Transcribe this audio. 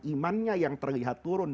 imannya yang terlihat turun